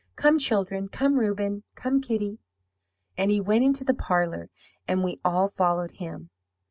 'Come, children. Come, Reuben. Come, Kitty.' "And he went into the parlour, and we all followed him.